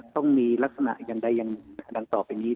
ต้องมีลักษณะอย่างใดอย่างดังต่อไปนี้